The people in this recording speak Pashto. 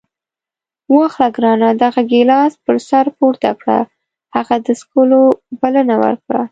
واخله ګرانه دغه ګیلاس پر سر پورته کړه. هغه د څښلو بلنه ورکړه.